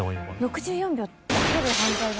６４秒だけで犯罪が。